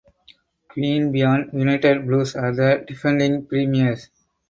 Queanbeyan United Blues are the defending premiers.